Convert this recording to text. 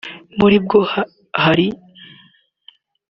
muri bwo hari